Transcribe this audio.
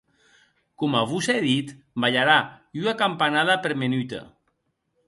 Coma vos è dit, balharà ua campanada per menuta.